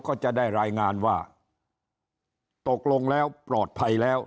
ก็จะได้รายงานว่าตกลงแล้วปลอดภัยแล้ว